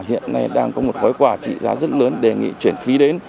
hiện nay đang có một gói quà trị giá rất lớn đề nghị chuyển phí đến